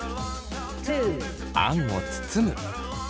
あんを包む。